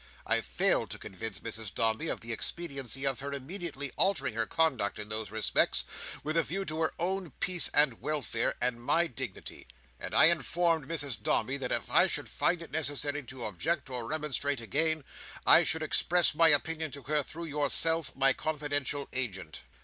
I failed to convince Mrs Dombey of the expediency of her immediately altering her conduct in those respects, with a view to her own peace and welfare, and my dignity; and I informed Mrs Dombey that if I should find it necessary to object or remonstrate again, I should express my opinion to her through yourself, my confidential agent."